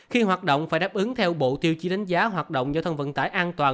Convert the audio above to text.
khi hoạt động phải đáp ứng theo bộ tiêu chí đánh giá hoạt động giao thông vận tải an toàn